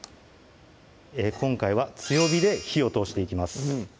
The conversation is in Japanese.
今回は強火で火を通していきます